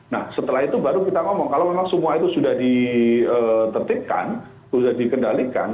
nah setelah itu baru kita ngomong kalau memang semua itu sudah ditertipkan sudah dikendalikan